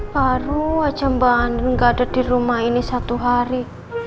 baru aja mbak andre nggak ada di rumah ini satu hari